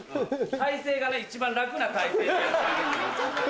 体勢がね一番楽な体勢で。